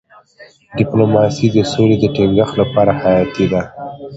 ډيپلوماسي د سولې د ټینګښت لپاره حیاتي ده.